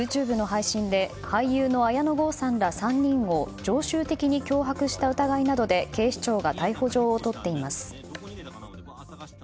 ガーシー容疑者を巡ってはＹｏｕＴｕｂｅの配信で俳優の綾野剛さんら３人を常習的に脅迫した疑いなどで警視庁が逮捕状を取っています。